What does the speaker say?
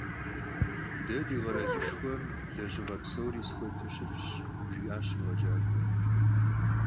De di kheralışşxuem lejığe psori zexuedeu şıf'ş, - jji'aş yêğecak'uem.